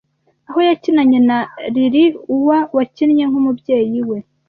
aho yakinanye na LiLi-Hua wakinnye nk’umubyeyi we,